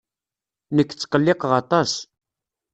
Nekk tqelliqeɣ aṭas.